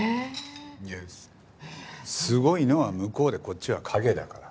いやすごいのは向こうでこっちは影だから。